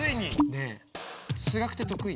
ねえ数学って得意？